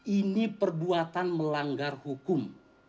ini perbuatan melanggar hukum